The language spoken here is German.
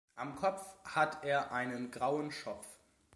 Am Kopf hat er einen grauen Schopf.